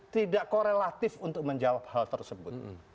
tidak korelatif untuk menjawab hal tersebut